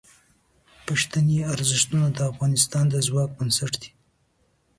پښتني ارزښتونه د افغانستان د ځواک بنسټ دي.